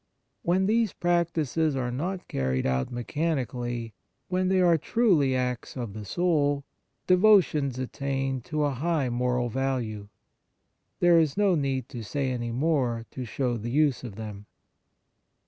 When these practices are not carried out mechanically, when they are truly acts of the soul, devotions attain to a high moral value. There is no need to say any more to show the use of them.